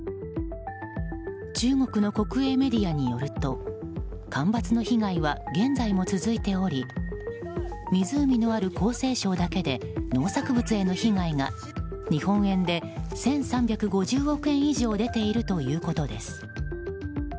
中国の国営メディアによると干ばつの被害は現在も続いており湖のある江西省だけで農作物への被害が日本円で１３５０億円以上出ているということです。